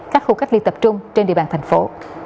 các khu cách ly tập trung trên địa bàn thành phố